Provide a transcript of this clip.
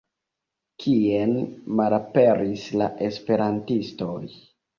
Kien malaperis la esperantistoj?